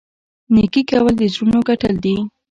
نیکي کول د زړونو ګټل دي.